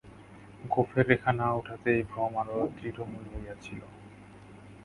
গোঁফের রেখা না উঠাতে এই ভ্রম আরো দৃঢ়মূল হইয়াছিল।